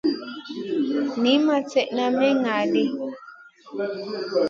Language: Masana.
Niyn ma slèdeyn may ŋa ɗi.